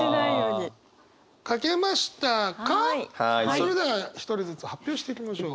それでは一人ずつ発表していきましょう。